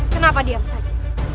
kenapa diam saja